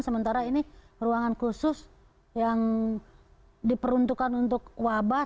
sementara ini ruangan khusus yang diperuntukkan untuk wabah